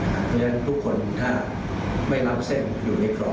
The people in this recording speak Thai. เพราะฉะนั้นทุกคนถ้าไม่รับเส้นอยู่ในคลอง